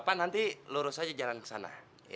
pak nanti lurus aja jalan ke sana